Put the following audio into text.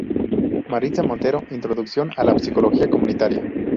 Maritza Montero-Introducción a la psicología comunitaria.